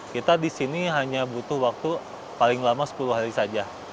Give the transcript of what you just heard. kita di sini hanya butuh waktu paling lama sepuluh hari saja